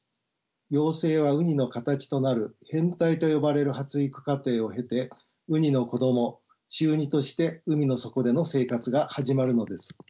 幼生はウニの形となる変態と呼ばれる発育過程を経てウニの子供稚ウニとして海の底での生活が始まるのです。